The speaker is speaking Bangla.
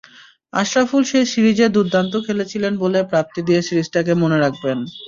আশরাফুল সেই সিরিজে দুর্দান্ত খেলেছিলেন বলে প্রাপ্তি দিয়ে সিরিজটাকে মনে রাখবেন।